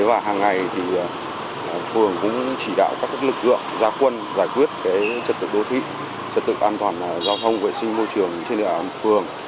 và hàng ngày thì phường cũng chỉ đạo các lực lượng gia quân giải quyết chất tực đô thị chất tực an toàn giao thông vệ sinh môi trường trên địa đoàn phường